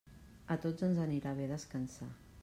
A tots ens anirà bé descansar.